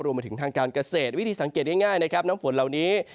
มาถึงทางการเกษตรวิธีสังเกตง่ายนะครับน้ำฝนเหล่านี้